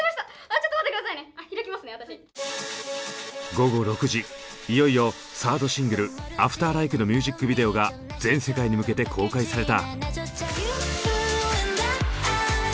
午後６時いよいよサードシングル「ＡｆｔｅｒＬＩＫＥ」のミュージックビデオが全世界に向けて公開された。